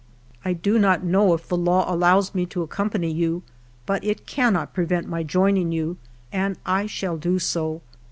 I do not know if the law allows me to accompany you, but it cannot prevent my joining you, and I shall do so.